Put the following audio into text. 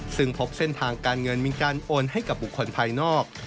ซึ่งพบเส้นทางการเงินมีการโอนให้กับบุคคลภายนอก